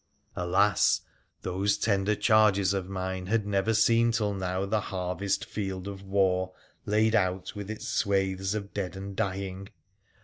Alas ! those tender charges of mine had never seen till now the harvest field of war laid out with its swathes of dead and dying